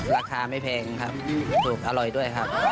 ราคาไม่แพงครับถูกอร่อยด้วยครับ